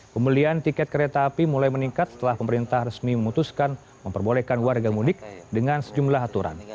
pembelian tiket kereta api mulai meningkat setelah pemerintah resmi memutuskan memperbolehkan warga mudik dengan sejumlah aturan